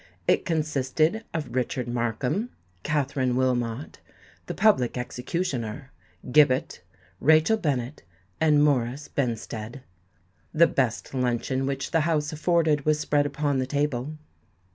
It consisted of Richard Markham, Katherine Wilmot, the Public Executioner, Gibbet, Rachel Bennet, and Morris Benstead. The best luncheon which the house afforded was spread upon the table.